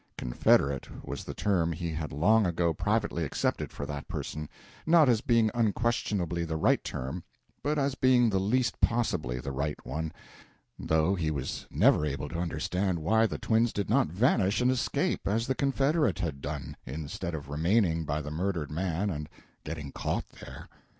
"Confederate" was the term he had long ago privately accepted for that person not as being unquestionably the right term, but as being at least possibly the right one, though he was never able to understand why the twins did not vanish and escape, as the confederate had done, instead of remaining by the murdered man and getting caught there.